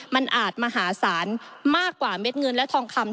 มันอาจมหาศาลมากกว่าเม็ดเงินและทองคำ